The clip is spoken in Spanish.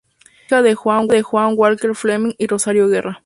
Hija de Juan Walker Fleming y Rosario Guerra.